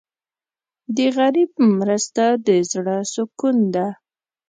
د غریب مرسته د زړه سکون ده.